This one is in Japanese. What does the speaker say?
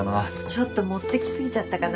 ちょっと持ってきすぎちゃったかな？